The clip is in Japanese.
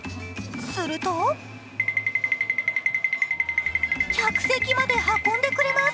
すると客席まで運んでくれます。